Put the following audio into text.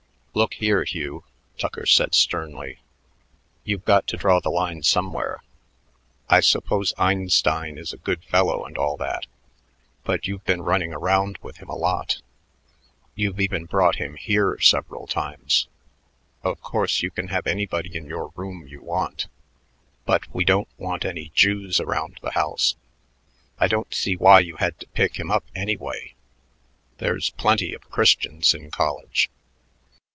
"Look here, Hugh," Tucker said sternly, "you've got to draw the line somewhere. I suppose Einstein is a good fellow and all that, but you've been running around with him a lot. You've even brought him here several times. Of course, you can have anybody in your room you want, but we don't want any Jews around the house. I don't see why you had to pick him up, anyway. There's plenty of Christians in college."